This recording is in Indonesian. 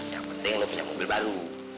yang penting lo punya mobil baru